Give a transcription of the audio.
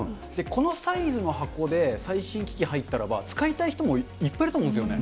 このサイズの箱で最新機器入ったらば、使いたい人もいっぱいいると思うんですよね。